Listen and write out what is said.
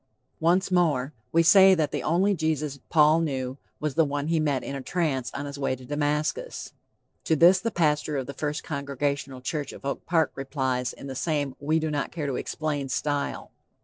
Once more; we say that the only Jesus Paul knew was the one he met in a trance on his way to Damascus. To this the pastor of the First Congregational Church of Oak Park replies in the same we do not care to explain style.